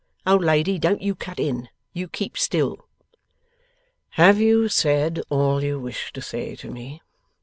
(Old lady, don't you cut in. You keep still.)' 'Have you said all you wish to say to me?